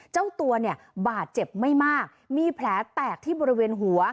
เจ้าตัวเนี่ยบาดเจ็บไม่มากมีแผลแตกที่บริเวณหัว